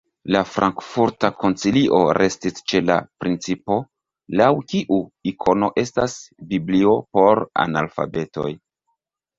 La Frankfurta koncilio restis ĉe la principo, laŭ kiu ikono estas "biblio por analfabetoj".